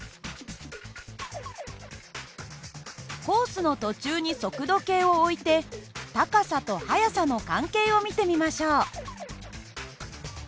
コースの途中に速度計を置いて高さと速さの関係を見てみましょう。